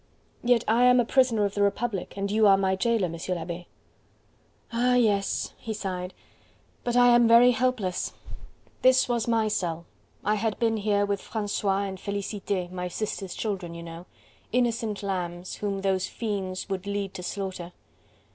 "Yet I am a prisoner of the Republic and you are my jailer, M. l'Abbe." "Ah, yes!" he sighed. "But I am very helpless. This was my cell. I had been here with Francois and Felicite, my sister's children, you know. Innocent lambs, whom those fiends would lead to slaughter.